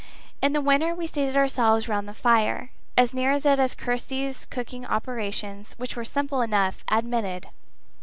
In the winter, we seated ourselves round the fire as near it as Kirsty's cooking operations, which were simple enough, admitted.